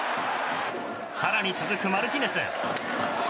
更に続く、マルティネス。